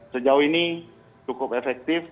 sejauh ini cukup efektif